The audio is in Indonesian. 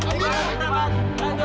tiga lagi berangkat